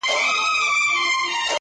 په قېمت د سر یې ختمه دا سودا سوه,